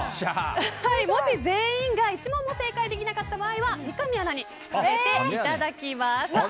もし全員が１問も正解できなかった場合は三上アナに食べていただきます。